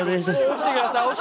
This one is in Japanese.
起きてください。